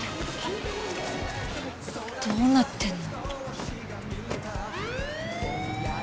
どうなってんの？